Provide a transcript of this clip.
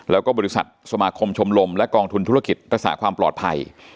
แล้วก็บริษัทสมาคมชมรมและกองทุนธุรกิจรักษาความปลอดภัย